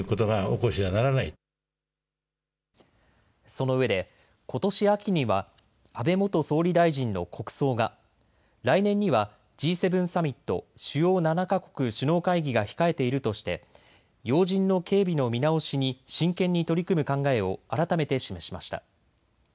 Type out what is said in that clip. そのうえで、ことし秋には安倍元総理大臣の国葬が、来年にはＧ７サミット・主要７か国首脳会議が控えているとして要人の警備の見直しに真剣に取り組む考えを改めて示しました。